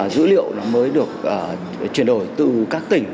dữ liệu nó mới được chuyển đổi từ các tỉnh